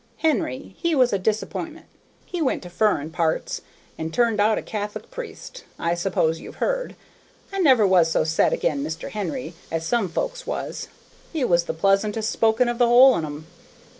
Henry, he was a disapp'intment; he went to furrin parts and turned out a Catholic priest, I s'pose you've heard? I never was so set ag'in Mr. Henry as some folks was. He was the pleasantest spoken of the whole on 'em.